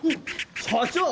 社長！